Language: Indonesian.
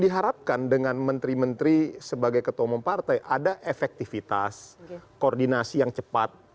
diharapkan dengan menteri menteri sebagai ketua umum partai ada efektivitas koordinasi yang cepat